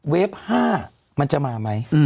เฟฟ๕มันจะมาไหม